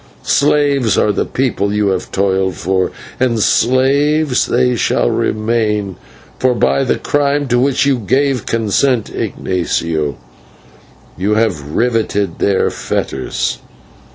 Slaves are the people you have toiled for, and slaves they shall remain, for by the crime to which you gave consent, Ignatio, you have riveted their fetters.